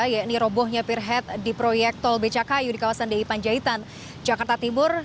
yakni robohnya peer head di proyek tol beca kayu di kawasan di panjaitan jakarta timur